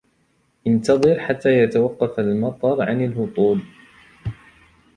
انتظر حتى يتوقف المطر عن الهطول.